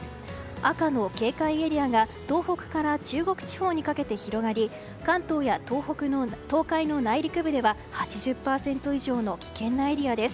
赤の警戒エリアが東北から中国地方にかけて広がり関東や東海の内陸部では８０％以上の危険なエリアです。